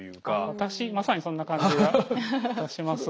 私まさにそんな感じはいたします。